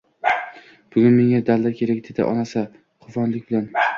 Bugun menga dalda kerak, dedi onasi quvnoqlik bilan